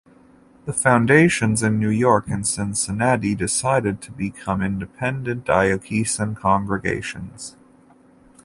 The foundations in New York and Cincinnati decided to become independent diocesan congregations.